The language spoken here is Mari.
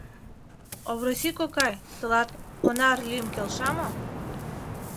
— Овроси кокай, тылат Онар лӱм келша мо?